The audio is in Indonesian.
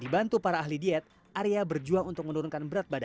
dibantu para ahli diet arya berjuang untuk menurunkan berat badan